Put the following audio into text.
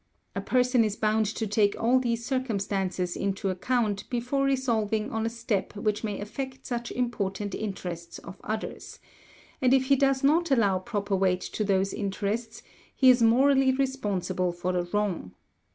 A person is bound to take all these circumstances into account before resolving on a step which may affect such important interests of others; and if he does not allow proper weight to those interests, he is morally responsible for the wrong.